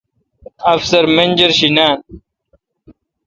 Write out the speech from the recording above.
افسر منجر شی نان۔